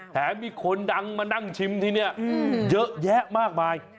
แถมมีคนดังมานั่งชิมที่นี่เยอะแยะมากมาย